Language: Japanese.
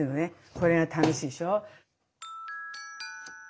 これが楽しいでしょ。